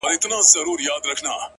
• خرخو ځکه پر زمري باندي ډېر ګران وو,